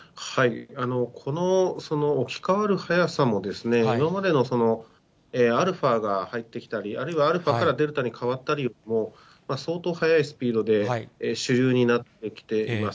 置き換わる早さも、今までのアルファーが入ってきたり、あるいはアルファからデルタに変わったりも、相当速いスピードで主流になってきています。